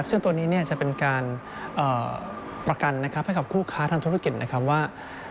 ซึ่งตัวนี้จะเป็นการประกันให้กับคู่ค้าทางธุรกิจว่า